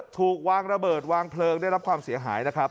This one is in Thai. ถูกวางระเบิดวางเพลิงได้รับความเสียหายนะครับ